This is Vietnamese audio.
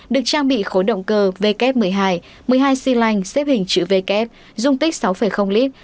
được trang bị khối động cơ v một mươi hai một mươi hai xy lanh xếp hình chữ v dung tích sáu lit